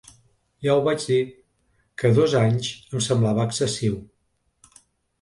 Ja ho vaig dir, que dos anys em semblava excessiu.